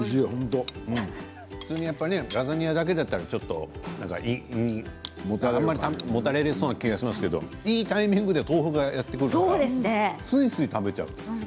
普通にラザニアだけだったらもたれそうな気がしますけどいいタイミングで豆腐がやってくるからすいすい食べちゃう。